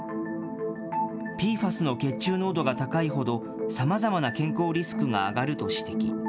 ＰＦＡＳの血中濃度が高いほど、さまざまな健康リスクが上がると指摘。